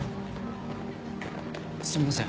すみません。